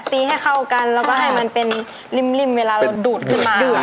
ให้เข้ากันแล้วก็ให้มันเป็นริ่มเวลาเราดูดขึ้นมา